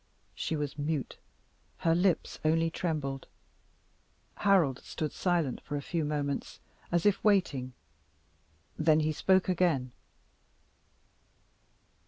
She was mute: her lips only trembled. Harold stood silent for a few moments, as if waiting. Then he spoke again.